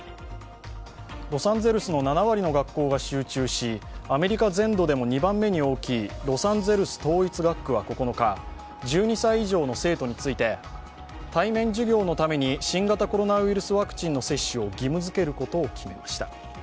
ロサンゼルスの７割の学校が集中しアメリカ全土でも２番目に大きいロサンゼルス統一学区は９日、１２歳以上の生徒について、対面授業のために新型コロナウイルスワクチンの接種を義務づけることを決めました。